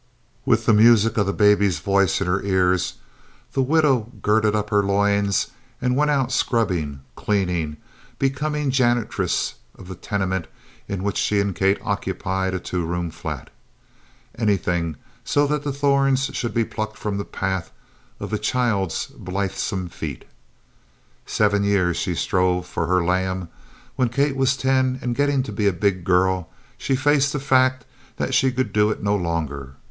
With the music of the baby voice in her ears the widow girded up her loins and went out scrubbing, cleaning, became janitress of the tenement in which she and Kate occupied a two room flat anything so that the thorns should be plucked from the path of the child's blithesome feet. Seven years she strove for her "lamb." When Kate was ten and getting to be a big girl, she faced the fact that she could do it no longer.